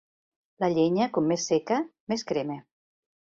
La llenya, com més seca, més crema.